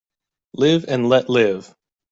Live and let live.